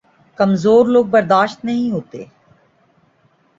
کمزور لوگ برداشت نہیں ہوتے